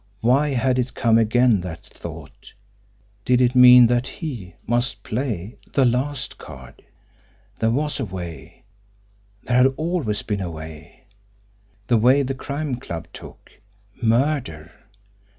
Why had it come again, that thought! Did it mean that HE must play the last card! There was a way there had always been a way. The way the Crime Club took MURDER.